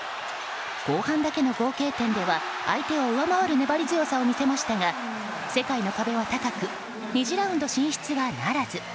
後半だけの合計点では相手を上回る粘り強さを見せましたが世界の壁は高く２次ラウンド進出はならず。